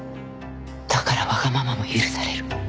だからわがままも許される。